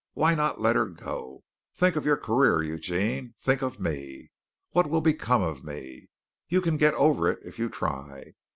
Why not let her go? Think of your career, Eugene. Think of me. What will become of me? You can get over it, if you try.